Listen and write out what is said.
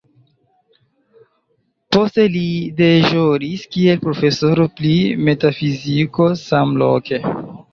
Poste li deĵoris kiel profesoro pri metafiziko samloke.